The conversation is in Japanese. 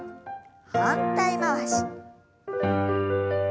反対回し。